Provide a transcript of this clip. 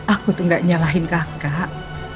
aku tuh gak nyalahin kakak